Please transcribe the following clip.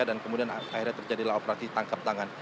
dan kemudian akhirnya terjadilah operasi tangkap tangan